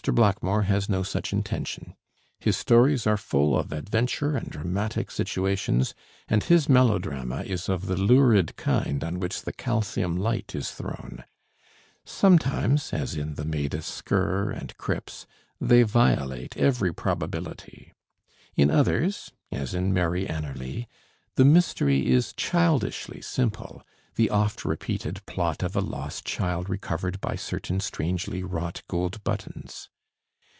Blackmore has no such intention. His stories are full of adventure and dramatic situations, and his melodrama is of the lurid kind on which the calcium light is thrown. Sometimes, as in 'The Maid of Sker' and 'Cripps' they violate every probability. In others, as in 'Mary Anerley,' the mystery is childishly simple, the oft repeated plot of a lost child recovered by certain strangely wrought gold buttons.